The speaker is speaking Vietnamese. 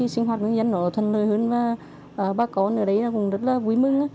sinh hoạt của người dân thân lời hơn và bà con ở đấy cũng rất vui mừng